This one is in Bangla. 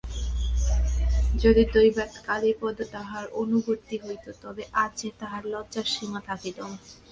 যদি দৈবাৎ কালীপদ তাহার অনুবর্তী হইত তবে আজ যে তাহার লজ্জার সীমা থাকিত না।